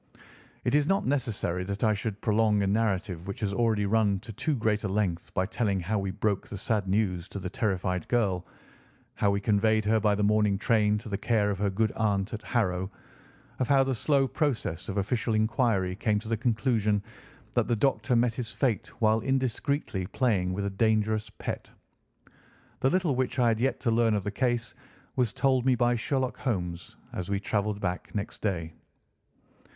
It is not necessary that I should prolong a narrative which has already run to too great a length by telling how we broke the sad news to the terrified girl, how we conveyed her by the morning train to the care of her good aunt at Harrow, of how the slow process of official inquiry came to the conclusion that the doctor met his fate while indiscreetly playing with a dangerous pet. The little which I had yet to learn of the case was told me by Sherlock Holmes as we travelled back next day.